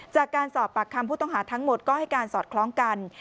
จากการสอบปากคำผู้ต้องหาทั้งหมดก็ให้การสอดคล้องกัน